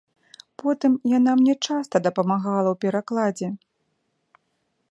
Потым яна мне часта дапамагала ў перакладзе.